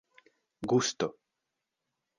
gusto